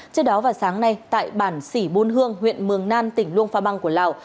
trước đó vào sáng nay tại bản sỉ buôn hương huyện mường nan tỉnh luông pha băng của lào